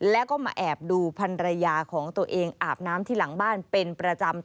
แล้วก็มาแอบดูพันรยาของตัวเองอาบน้ำที่หลังบ้านเป็นประจำ